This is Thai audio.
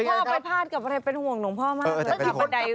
พ่อไปพาดกับอะไรเป็นห่วงหลวงพ่อมากเลย